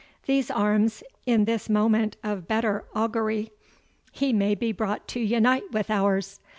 These arms, in this moment of better augury, he may be brought to unite with ours.